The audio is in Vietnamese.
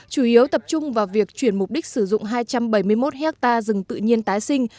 chủ yếu tập trung vào việc chuyển mục đích sử dụng hai trăm bảy mươi một hectare rừng tự nhiên tái sinh